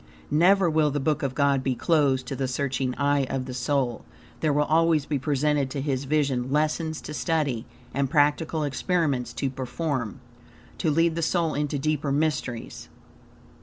Never will the Book of God be closed to the searching eye of the soul. There will always be presented to his vision lessons to study, and practical experiments to perform, to lead the soul into deeper mysteries.